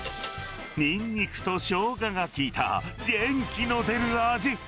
ニンニクとショウガが効いた、元気の出る味。